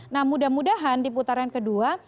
nah mudah mudahan di putaran kedua